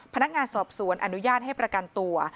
พนักงานสอบสวนอนุญาตให้ประกันตัว